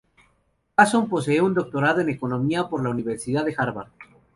Hansson posee un Doctorado en Economía por la Universidad de Harvard.